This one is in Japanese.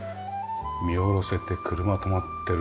見下ろせて車止まってる。